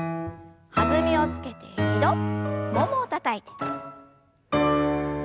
弾みをつけて２度ももをたたいて。